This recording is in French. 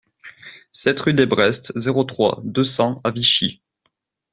sept rue Desbrest, zéro trois, deux cents à Vichy